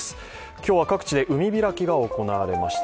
今日は各地で海開きが行われました。